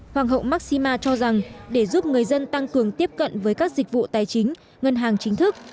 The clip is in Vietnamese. hoàng hậu maxima cho rằng để giúp người dân tăng cường tiếp cận với các dịch vụ tài chính ngân hàng chính thức